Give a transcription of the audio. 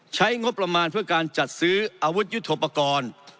ใช้งบประมาณเพื่อการจัดซื้ออาวุธยุทธโปรกรณ์